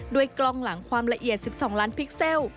กล้องหลังความละเอียด๑๒ล้านพิกเซล